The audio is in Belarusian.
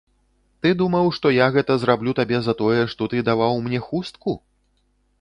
Ты думаў, што я гэта зраблю табе за тое, што ты даваў мне хустку?